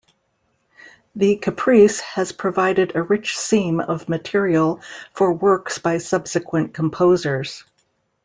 The caprice has provided a rich seam of material for works by subsequent composers.